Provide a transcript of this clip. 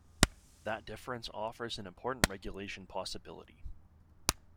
That difference offers an important regulation possibility.